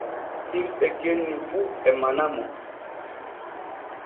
Himɓe genni fu e manamo.